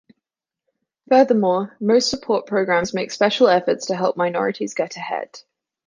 Furthermore, most support programs make special efforts to help minorities get ahead.